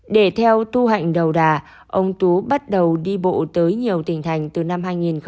để theo tu hạnh đầu đà ông tú bắt đầu đi bộ tới nhiều tỉnh thành từ năm hai nghìn một mươi